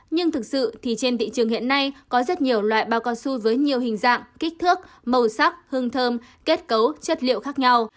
nhưng thực sự thì trên thị trường hiện nay có rất nhiều loại bao cao su với nhiều hình dạng kích thước màu sắc hương thơm kết cấu chất liệu khác nhau